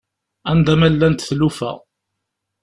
Anda ma llant tlufa.